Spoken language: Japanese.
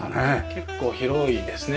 結構広いですね。